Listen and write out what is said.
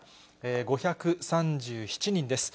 ５３７人です。